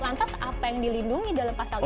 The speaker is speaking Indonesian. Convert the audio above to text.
lantas apa yang dilindungi dalam pasal ini